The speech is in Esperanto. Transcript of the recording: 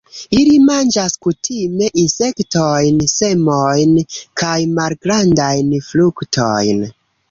Ili manĝas kutime insektojn, semojn kaj malgrandajn fruktojn.